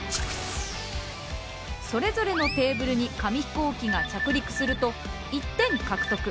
それぞれのテーブルに紙ヒコーキが着陸すると１点獲得。